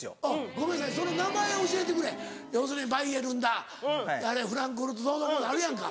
ごめんなさい名前を教えてくれ要するにバイエルンだフランクフルトどうのこうのあるやんか。